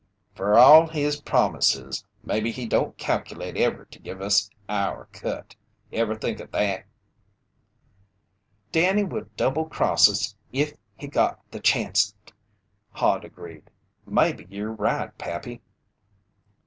"Fer all his promises, maybe he don't calculate ever to give us our cut! Ever think o' that?" "Danny would double cross us if he got the chanst," Hod agreed. "Maybe ye'r right, Pappy!"